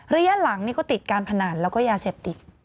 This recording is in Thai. ระยะหลังนี่ก็ติดการพนันแล้วก็ยาเสพติด